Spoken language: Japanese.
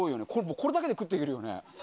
これだけで食ってけるよね。